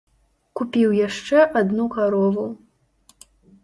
Купіў яшчэ адну карову.